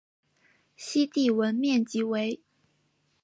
西帝汶面积为。